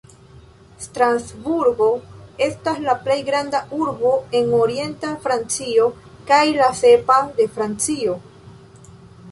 Strasburgo estas la plej granda urbo en orienta Francio, kaj la sepa de Francio.